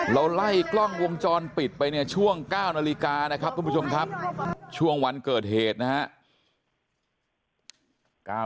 เราไล่กล้ององจรปิดไปเนี่ยช่วง๙นาฬิกานะครับช่วงวันเกิดเหตุนะเฮะ